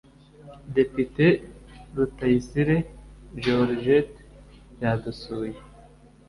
depite rutayisire georgette yadusuye